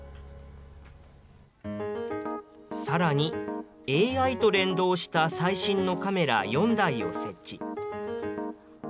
さらに、ＡＩと連動した最新のカメラ４台を設置。